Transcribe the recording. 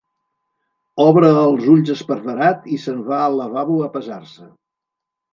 Obre els ulls esparverat i se'n va al lavabo a pesar-se.